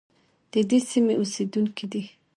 د دې سیمې اوسیدونکي دي.